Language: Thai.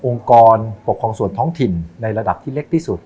กรปกครองส่วนท้องถิ่นในระดับที่เล็กที่สุด